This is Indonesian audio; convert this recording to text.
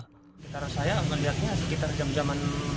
sekitar saya menjelaskannya sekitar jam jam